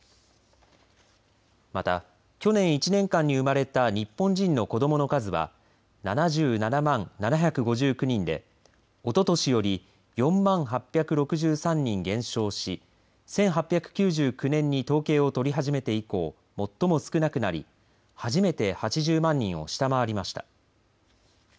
また、去年１年間に産まれた日本人の子どもの数は７７万７５９人でおととしより４万８６３人減少し１８９９年に統計を取り始めて以降最も少なくなり初めて８０万人を下回りました。